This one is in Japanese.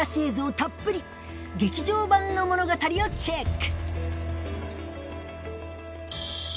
たっぷり劇場版の物語をチェック